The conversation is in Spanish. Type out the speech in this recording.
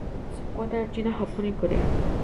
Se encuentra en China, Japón y Corea.